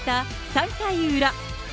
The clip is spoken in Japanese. ３回裏。